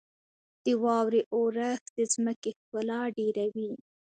• د واورې اورښت د ځمکې ښکلا ډېروي.